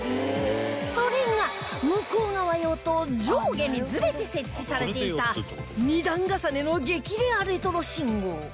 それが向こう側用と上下にずれて設置されていた２段重ねの激レアレトロ信号